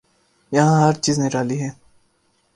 یہاں ہر چیز نرالی ہے۔